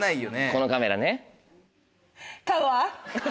このカメラね。